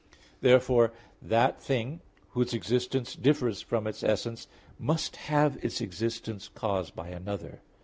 Therefore that thing, whose existence differs from its essence, must have its existence caused by another.